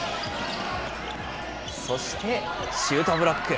そしてシュートブロック。